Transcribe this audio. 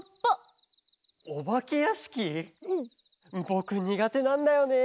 ぼくにがてなんだよね。